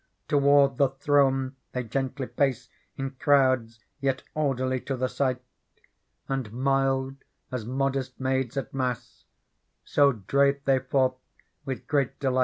. Toward the throne they gentlyj^)ace. In crowds, yet orderly to the sight. And mild as modest maids at Mass ; So drave they forth with great delight.